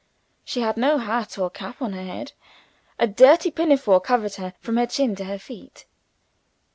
She had no hat or cap on her head. A dirty pinafore covered her from her chin to her feet.